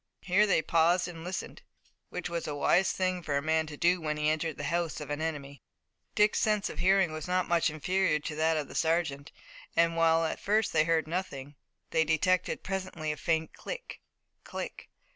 Here they paused and listened, which was a wise thing for a man to do when he entered the house of an enemy. Dick's sense of hearing was not much inferior to that of the sergeant, and while at first they heard nothing, they detected presently a faint click, click.